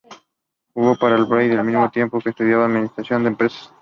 Jugó para el Brive, al mismo tiempo que estudiaba administración de empresas.